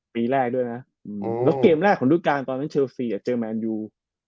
ปีแรกด้วยนะแล้วเกมแรกของรุ่นกลางตอนเชิลซีเจอแมนยู